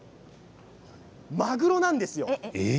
マグロなんですよ。